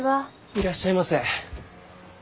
いらっしゃいませ。